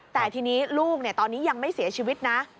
แต่ทีนี้ลูกตอนนี้ยังไม่เสียชีวิตนะ